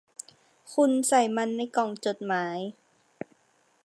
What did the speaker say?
คุณใส่มันในกล่องจดหมาย